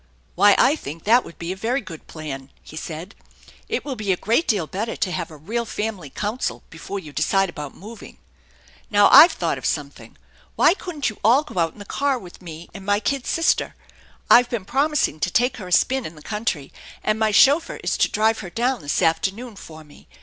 " Why, I think that would be a very good plan," he said. " It will be a great deal better to have a real family council before you decide about moving. Now I've thought of some thing. Why couldn't you all go out in the car with me and my kid sister ? I've been promising to take her a spin in the country, and my chauffeur is to drive her down this afternoon for me.